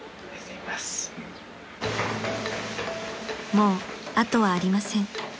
［もう後はありません］